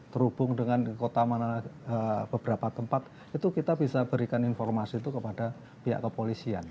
terhubung dengan beberapa tempat itu kita bisa berikan informasi itu kepada pihak kepolisian